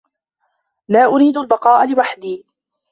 لا أريد البقاء لوحدي.